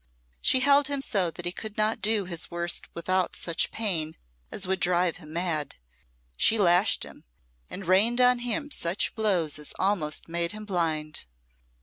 She held him so that he could not do his worst without such pain as would drive him mad; she lashed him, and rained on him such blows as almost made him blind.